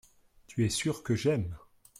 tu es sûr que j'aime.